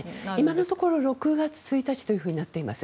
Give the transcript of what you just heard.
今のところ６月１日となっています。